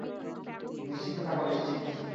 নিশ্চিত থাকো নিশ্চিত।